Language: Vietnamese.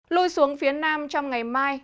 lui xuống phía nam trong ngày mai